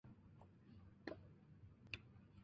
曾任恩施县知县。